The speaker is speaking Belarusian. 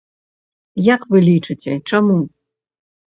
Як вы лічыце, чаму?